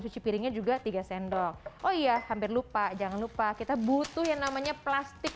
cuci piringnya juga tiga sendok oh iya hampir lupa jangan lupa kita butuh yang namanya plastik